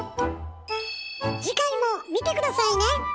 次回も見て下さいね！